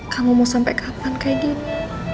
kamu mau sampai kapan kayak gini